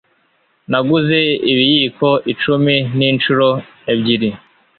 Naguze ibiyiko icumi ninshuro ebyiri.